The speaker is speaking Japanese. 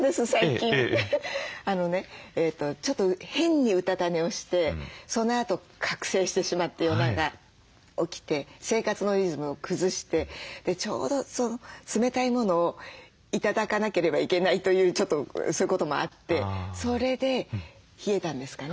あのねちょっと変にうたた寝をしてそのあと覚醒してしまって夜中起きて生活のリズムを崩してちょうど冷たい物を頂かなければいけないというちょっとそういうこともあってそれで冷えたんですかね。